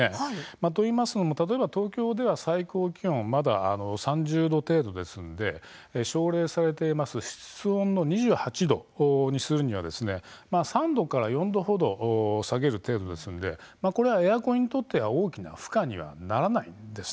というのも、例えば東京では最高気温まだ３０度程度ですので奨励されている室温２８度にするには３度から４度程下げる程度ですのでこれはエアコンにとっては大きな負荷にはならないんです。